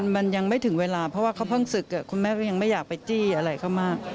มันยังไม่ถึงเวลาเพราะว่าเขาเพิ่งศึกคุณแม่ก็ยังไม่อยากไปจี้อะไรเขามาก